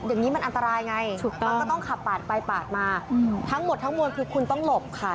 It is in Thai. อย่างนี้มันอันตรายไงถูกต้องมันก็ต้องขับปาดไปปาดมาทั้งหมดทั้งมวลคือคุณต้องหลบค่ะ